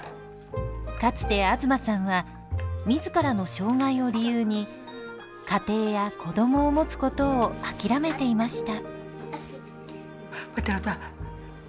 かつて東さんは自らの障害を理由に家庭や子供を持つことを諦めていました。